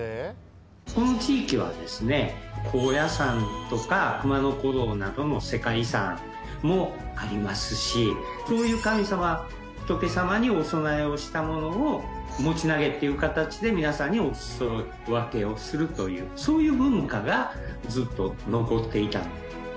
この地域はですね高野山とか熊野古道などの世界遺産もありますしそういう神様仏様にお供えをしたものを餅投げっていう形で皆さんにお裾分けをするというそういう文化がずっと残っていた。